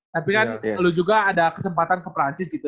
tapi kan lu juga ada kesempatan ke prancis gitu